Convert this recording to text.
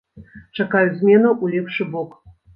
Чакаю зменаў у лепшы бок.